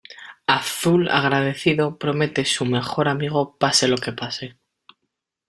Azul agradecido promete su mejor amigo pase lo que pase.